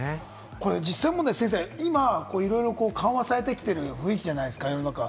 実際問題、今、いろいろと緩和されてきてる雰囲気じゃないですか、世の中。